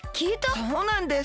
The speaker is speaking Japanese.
そうなんです！